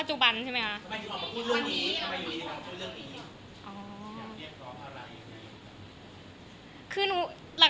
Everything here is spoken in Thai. สวัสดีครับ